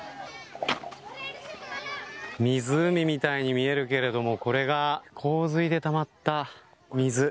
湖みたいに見えるけれどもこれが洪水でたまった水。